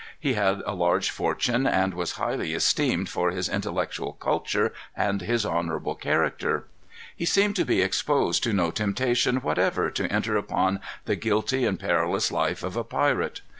He had a large fortune, and was highly esteemed for his intellectual culture and his honorable character. He seemed to be exposed to no temptation whatever to enter upon the guilty and perilous life of a pirate.